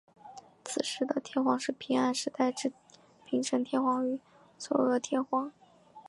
此时的天皇是平安时代之平城天皇与嵯峨天皇。